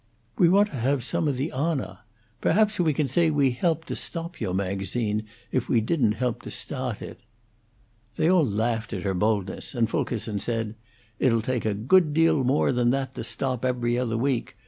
We want to have some of the honaw. Perhaps we can say we helped to stop yo' magazine, if we didn't help to stawt it." They all laughed at her boldness, and Fulkerson said: "It'll take a good deal more than that to stop 'Every Other Week'.